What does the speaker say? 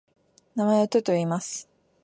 名前をテョといいます。